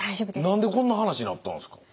何でこんな話になったんですか？